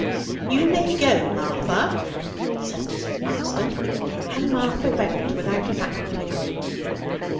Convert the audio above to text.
'You may go, Martha,' said Mrs. Marston, and Martha went without alacrity.